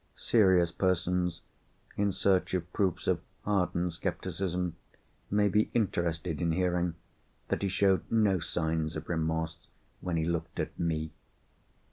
Serious persons, in search of proofs of hardened scepticism, may be interested in hearing that he showed no signs of remorse when he looked at Me.